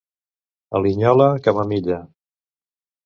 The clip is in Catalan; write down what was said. A Linyola, camamilla.